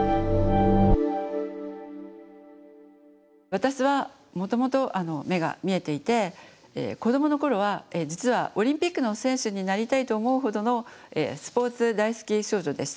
私はもともと目が見えていて子どもの頃は実はオリンピックの選手になりたいと思うほどのスポーツ大好き少女でした。